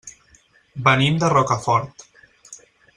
Venim de Rocafort.